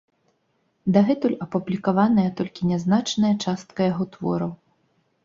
Дагэтуль апублікаваная толькі нязначная частка яго твораў.